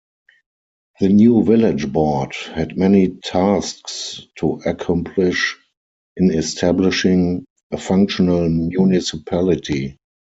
The new village board had many tasks to accomplish in establishing a functional municipality.